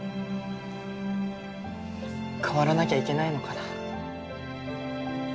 変わらなきゃいけないのかな。